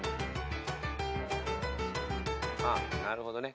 あっなるほどね。